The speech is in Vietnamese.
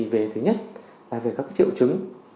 về thứ nhất là về các triệu chứng